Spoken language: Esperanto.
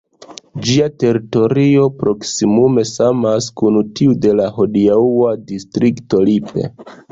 Ĝia teritorio proksimume samas kun tiu de la hodiaŭa distrikto Lippe.